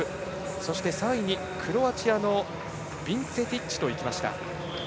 そして３位にクロアチアのビンツェティッチといきました。